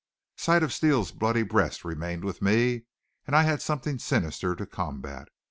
Sight of Steele's bloody breast remained with me, and I had something sinister to combat.